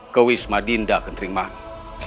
ke wisma dinda kenterimani